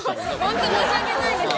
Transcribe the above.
本当、申し訳ないですよ。